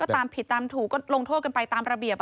ตามผิดตามถูกก็ลงโทษกันไปตามระเบียบ